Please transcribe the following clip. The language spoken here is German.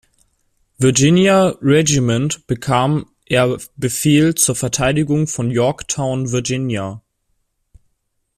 Virginia Regiment bekam er Befehl zur Verteidigung von Yorktown, Virginia.